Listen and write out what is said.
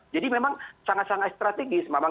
jadi memang sangat sangat strategis